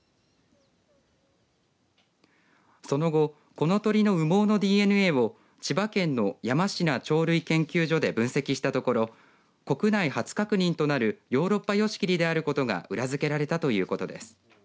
その後、この鳥の羽毛のＤＮＡを千葉県の山階鳥類研究所で分析したところ国内初確認となるヨーロッパヨシキリであることが裏付けられたということです。